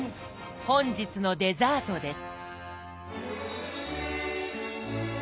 本日のデザートです。